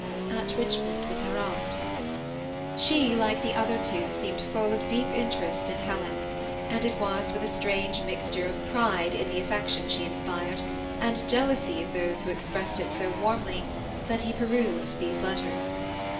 ^'At Bichm(U9d, with her aunt." She, like the other two, seemed full of deep interest in Helen, and it was with a strange mixture of pride in the affection she inspired, and jealousy of those who expressed it so warmly, that he perused these letters.